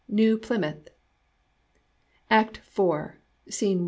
New Plymouth. ACT IV SCENE I.